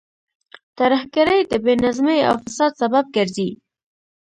ترهګرۍ د بې نظمۍ او فساد سبب ګرځي.